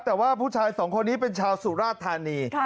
แต่ว่าผู้ชายสองคนนี้เป็นชาวสุราชธานี